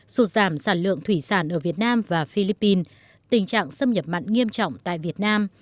sụt giảm sản lượng thủy sản ở việt nam và philippines tình trạng xâm nhập mặn nghiêm trọng tại việt nam